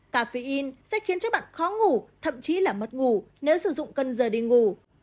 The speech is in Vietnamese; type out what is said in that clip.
cà phê in sẽ khiến cho bạn khó ngủ thậm chí là mất ngủ nếu sử dụng cân giờ đi ngủ